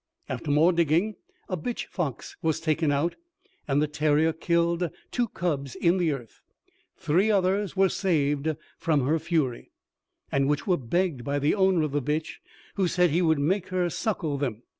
After more digging, a bitch fox was taken out, and the terrier killed two cubs in the earth; three others were saved from her fury, and which were begged by the owner of the bitch, who said he should make her suckle them.